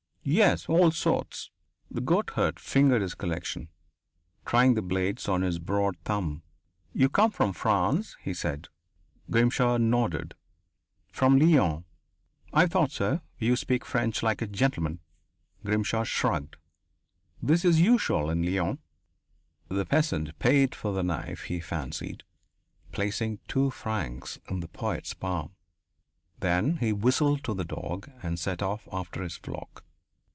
Yes. All sorts." The goatherd fingered his collection, trying the blades on his broad thumb. "You come from France," he said. Grimshaw nodded. "From Lyons." "I thought so. You speak French like a gentleman." Grimshaw shrugged. "That is usual in Lyons." The peasant paid for the knife he fancied, placing two francs in the poet's palm. Then he whistled to the dog and set off after his flock.